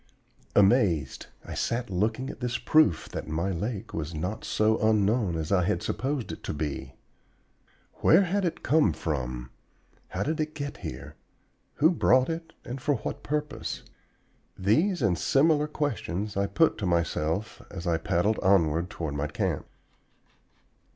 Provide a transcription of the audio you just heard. Amazed, I sat looking at this proof that my lake was not so unknown as I had supposed it to be. Where had it come from? How did it get here? Who brought it, and for what purpose? These and similar questions I put to myself as I paddled onward toward my camp.